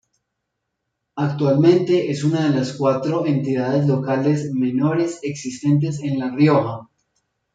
Actualmente es una de las cuatro entidades locales menores existentes en La Rioja.